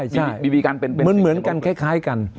ใช่เหมือนกันคล้ายกัน